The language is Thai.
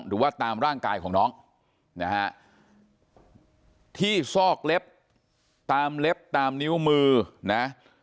หรือว่าตามร่างกายของน้องนะฮะที่ซอกเล็บตามเล็บตามนิ้วมือนะ